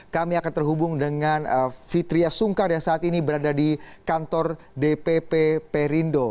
kami akan terhubung dengan fitriah sungkar yang saat ini berada di kantor dpp perindo